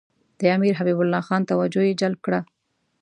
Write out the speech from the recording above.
د امیر حبیب الله خان توجه یې جلب کړه.